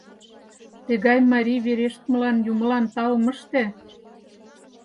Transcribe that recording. Тыгай марий верештмылан юмылан таум ыште!